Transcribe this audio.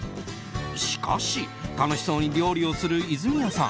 しかし、楽しそうに料理をする泉谷さん